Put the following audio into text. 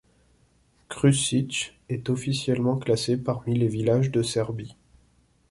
Kruščić est officiellement classé parmi les villages de Serbie.